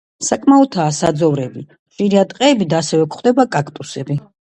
საკმაოდაა საძოვრები, ხშირია ტყეები და ასევე გვხვდება კაქტუსები.